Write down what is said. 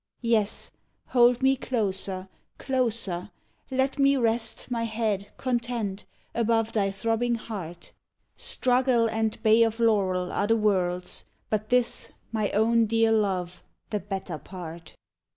Yes, hold me closer, closer; let me rest My head, content, above thy throbbing heart. Struggle and bay of laurel are the world's; But this, my own dear Love, the better part!